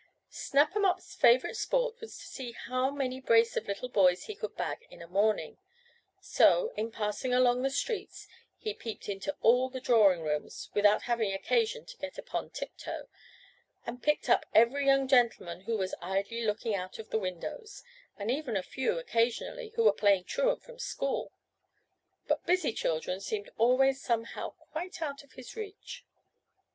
Snap 'em up's favorite sport was to see how many brace of little boys he could bag in a morning; so, in passing along the streets, he peeped into all the drawing rooms, without having occasion to get upon tiptoe, and picked up every young gentleman who was idly looking out of the windows, and even a few occasionally who were playing truant from school; but busy children seemed always somehow quite out of his reach.